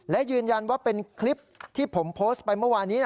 และยืนยันว่าเป็นคลิปที่ผมโพสต์ไปเมื่อวานี้